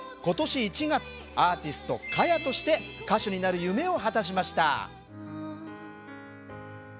今年１月アーティスト花耶として歌手になる夢を果たしました。